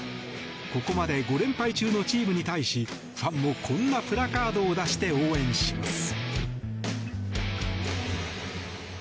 ここまで５連敗中のチームに対しファンもこんなプラカードを出して応援します。